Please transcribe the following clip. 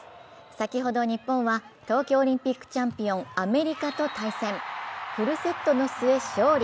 先ほど日本は東京オリンピックチャンピオン、アメリカと対戦、フルセットの末勝利。